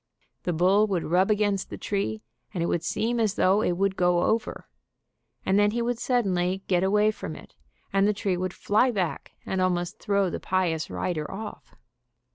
The bull would rub against the tree, and it would seem as though it would go over, and then he would suddenly get away from it and the tree would fly back and almost throw the pious rider off.